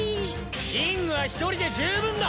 キングは１人で十分だ！